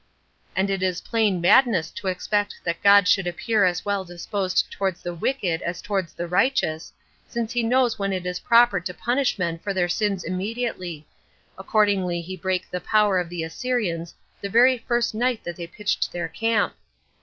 And it is plain madness to expect that God should appear as well disposed towards the wicked as towards the righteous, since he knows when it is proper to punish men for their sins immediately; accordingly he brake the power of the Assyrians the very first night that they pitched their camp.